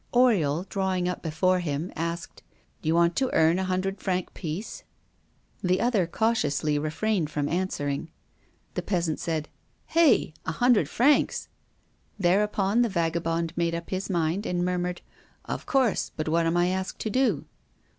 Oriol, drawing up before him, asked: "Do you want to earn a hundred franc piece?" The other cautiously refrained from answering. The peasant said: "Hey! a hundred francs?" Thereupon the vagabond made up his mind, and murmured: "Of course, but what am I asked to do?"